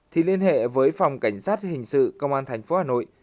thì liên hệ với phòng cảnh sát hình sự công an tp hà nội